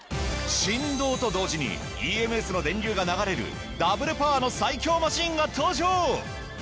振動と同時にＥＭＳの電流が流れるダブルパワーの最強マシンが登場。